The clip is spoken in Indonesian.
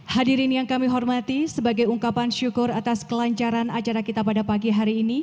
hadirin yang kami hormati sebagai ungkapan syukur atas kelancaran acara kita pada pagi hari ini